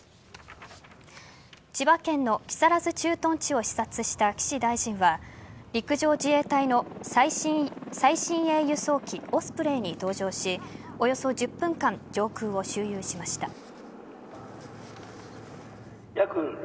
千葉県の木更津駐屯地を視察した岸大臣は陸上自衛隊の最新鋭輸送機オスプレイに搭乗しおよそ１０分間上空を周遊しました。